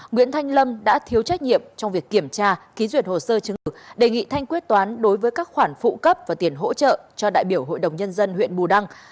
nguyễn thanh lâm đã thiếu trách nhiệm trong việc kiểm tra ký duyệt hồ sơ chứng tử đề nghị thanh quyết toán đối với các khoản phụ cấp và tiền hỗ trợ cho đại biểu hội đồng nhân dân huyện bù đăng